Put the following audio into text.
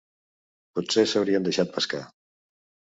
Pot-ser s'haurien deixat pescar